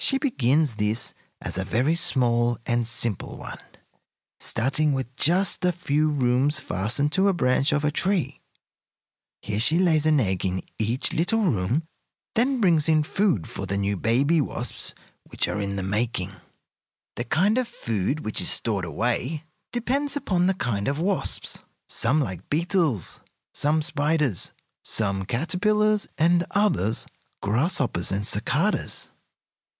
She begins this as a very small and simple one, starting with just a few rooms fastened to the branch of a tree. Here she lays an egg in each little room, then brings in food for the new baby wasps which are in the making. The kind of food which is stored away depends upon the kind of wasps. Some like beetles, some spiders, some caterpillars, and others grasshoppers and cicadas.